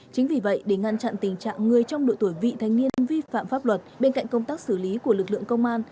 chính vì vậy để ngăn chặn tình trạng người trong độ tuổi vị thanh niên vi phạm pháp luật bên cạnh công tác xử lý của lực lượng công an